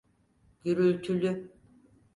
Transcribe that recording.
Gürültülü.